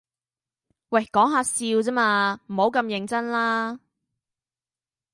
喂講吓笑咋嘛，唔好咁認真啦